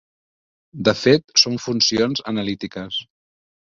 De fet, són funcions analítiques.